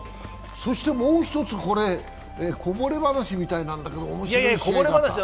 そしてもう一つ、こぼれ話みたいなんだけど面白いシーンがあった。